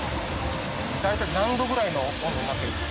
大体何度ぐらいの温度になってるんですか？